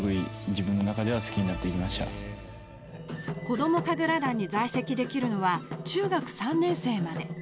子ども神楽団に在籍できるのは中学３年生まで。